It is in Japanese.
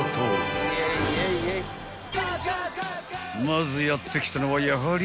［まずやって来たのはやはり］